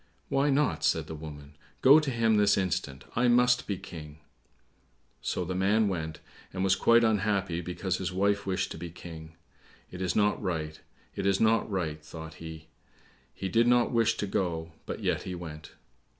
"Why not?" said the woman; "go to him this instant; I must be King!" So the man went, and was quite unhappy because his wife wished to be King. "It is not right; it is not right," thought he. He did not wish to go, but yet he went.